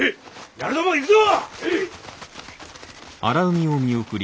野郎ども行くぞ！